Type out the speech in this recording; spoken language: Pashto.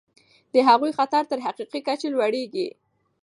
د هغوی خطر تر حقیقي کچې لوړیږي.